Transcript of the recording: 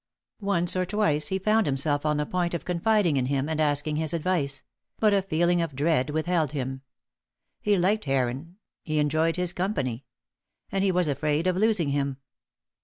Once or twice he found himself on the point of confiding in him and asking his advice: but a feeling of dread withheld him. He liked Heron he enjoyed his company; and he was afraid of losing him.